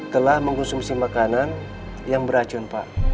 telah mengkonsumsi makanan yang beracun pak